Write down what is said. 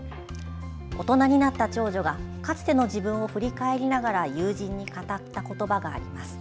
大人になった長女がかつての自分を振り返りながら友人に語った言葉があります。